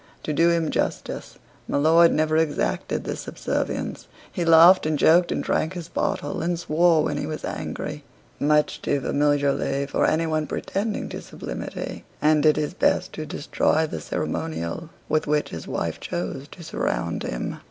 To do him justice, my lord never exacted this subservience: he laughed and joked and drank his bottle, and swore when he was angry, much too familiarly for any one pretending to sublimity; and did his best to destroy the ceremonial with which his wife chose to surround him.